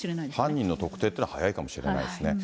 犯人の特定っていうのは早いかもしれないですね。